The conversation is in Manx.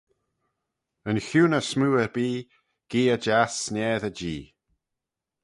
Yn chiuney smoo erbee geay jiass sniessey j'ee